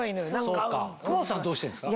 久保田さんはどうしてんすか？